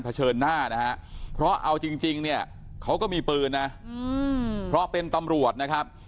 เชิดหน้านะฮะเพราะเอาจริงเนี่ยเขาก็มีปืนนะเพราะเป็นตำรวจนะครับ